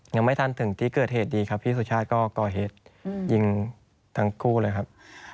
ยังไม่ทันถึงที่เกิดเหตุดีครับพี่สุชาติก็ก่อเหตุยิงทั้งคู่เลยครับ